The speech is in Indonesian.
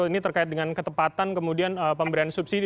ini terkait dengan ketepatan kemudian pemberian subsidi